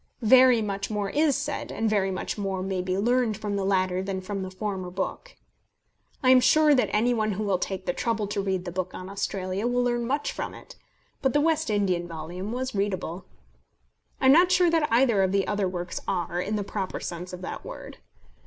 Very much more is said, and very much more may be learned from the latter than from the former book. I am sure that any one who will take the trouble to read the book on Australia, will learn much from it. But the West Indian volume was readable. I am not sure that either of the other works are, in the proper sense of that word.